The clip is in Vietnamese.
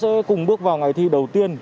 sẽ cùng bước vào ngày thi đầu tiên